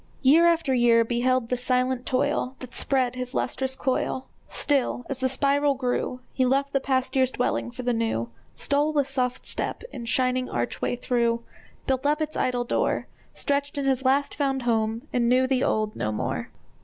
Year after year beheld the silent toil That spread his lustrous coil; Still, as the spiral grew, He left the past year's dwelling for the new, Stole with soft step its shining archway through, Built up its idle door, Stretched in his last found home, and knew the old no more.